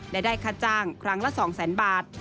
และได้ค่าจ้างครั้งละ๒๐๐๐๐บาท